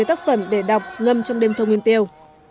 các tác phẩm để đọc ngâm trong đêm thơ nguyên tiêu